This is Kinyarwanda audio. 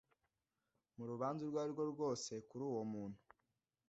mu rubanza urwo ari rwo rwose kuri uwo muntu